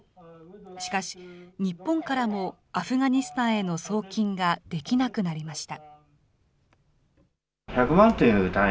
しかし、日本からもアフガニスタンへの送金ができなくなりました。